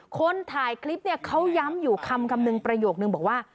คนถ่ายคลิปเขาย้ำอยู่คำกำหนึ่งประโยคหนึ่งแบบว่า